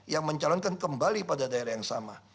yang mencalonkan kembali pada daerah yang sama